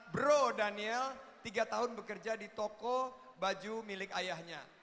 bro daniel tiga tahun bekerja di toko baju milik ayahnya